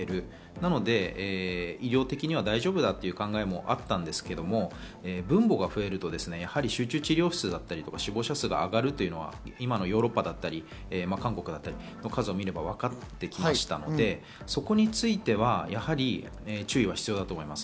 なので医療的には大丈夫だという考えもあったんですけど、分母が増えると、やはり集中治療室だったり、死亡者数が上がるというのは今のヨーロッパだったり韓国だったり、数を見ればわかってきましたので、そこについては注意は必要だと思います。